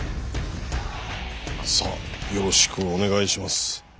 さあよろしくお願いします。